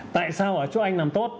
tại sao ở chỗ anh làm tốt